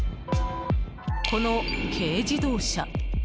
この軽自動車。